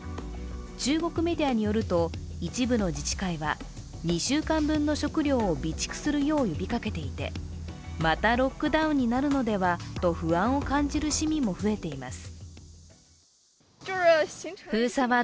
中国メディアによると一部の自治会は２週間分の食料を備蓄するよう呼びかけていて、またロックダウンになるのではと不安を感じる市民も増えています。